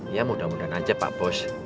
ya mudah mudahan aja pak bos